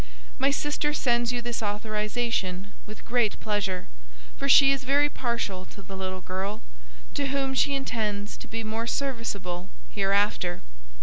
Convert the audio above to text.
My sister sends you this authorization with great pleasure, for she is very partial to the little girl, to whom she intends to be more serviceable hereafter.